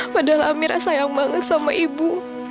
padahal amira sayang banget sama ibu